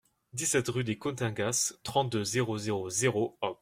dix-sept rue des Cotingas, trente-deux, zéro zéro zéro, Auch